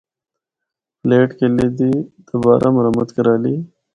پلیٹ قلعے دی دبّارا مرمت کرالی۔